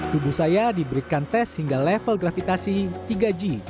tubuh saya diberikan tes hingga level gravitasi tiga g